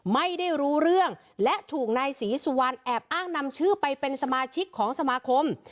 ไม่ได้รู้เรื่องและถูกนายศรีสุวรรณแอบอ้างนำชื่อไปเป็นสมาชิกของสมาคม